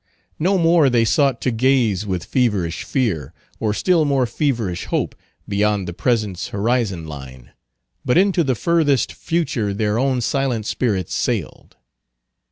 No more they sought to gaze with feverish fear, or still more feverish hope, beyond the present's horizon line; but into the furthest future their own silent spirits sailed.